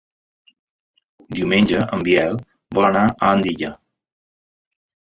Diumenge en Biel vol anar a Andilla.